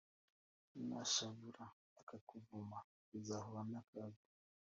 nashavura akakuvuma uzahura nakaga